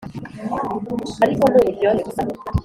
ariko ni uburyohe gusa,